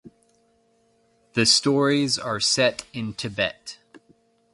The stories are set in Tibet.